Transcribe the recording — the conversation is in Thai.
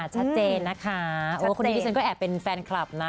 ชัดเจนนะคะโอ้คนนี้ดิฉันก็แอบเป็นแฟนคลับนะ